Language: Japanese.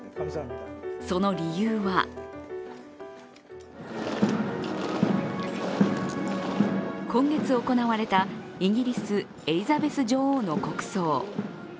その理由は今月行われたイギリス・エリザベス女王の国葬。